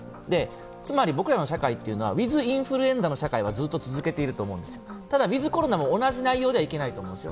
つまり、僕らの社会はウィズ・インフルエンザの社会はずっと続けていると思うんです、ウィズ・コロナも同じ内容ではいけないと思うんです。